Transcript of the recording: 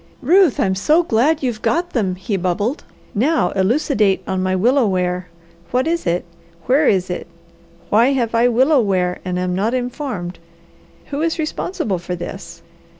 "Ruth, I'm so glad you've got them!" he bubbled. "Now elucidate on my willow ware. What is it? Where is it? Why have I willow ware and am not informed. Who is responsible for this?